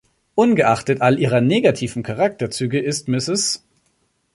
Ungeachtet all ihrer negativen Charakterzüge ist Mrs.